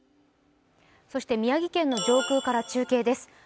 そして宮城県の上空から中継です。